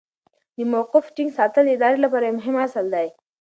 د موقف ټینګ ساتل د ادارې لپاره یو مهم اصل دی.